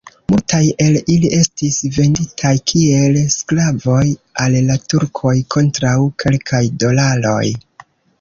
Multaj el ili estis venditaj kiel sklavoj al la turkoj kontraŭ kelkaj dolaroj.